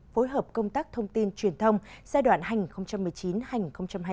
phối hợp công tác thông tin truyền thông giai đoạn hành một mươi chín hành hai mươi